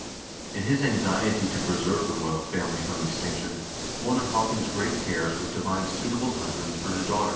In his anxiety to preserve the royal family from extinction, one of Haakon's great cares was to find suitable husbands for his daughters.